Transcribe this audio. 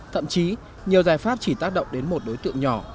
thậm chí nhiều giải pháp chỉ tác động đến một đối tượng nhỏ